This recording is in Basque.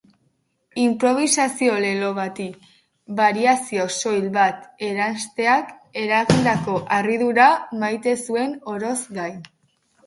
Inprobisazio-lelo bati bariazio soil bat eransteak eragindako harridura maite zuen oroz gain.